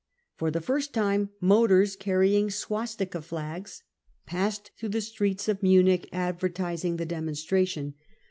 5 ' For the first time motors carrying swastika flags passed through the streets of Munich, advertising the demonstra tion.